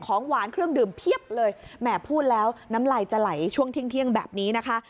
ของหวานเครื่องดื่มเพียบเลยแหมพูดแล้วน้ำลายจะไหลช่วงเที่ยงแบบนี้นะคะ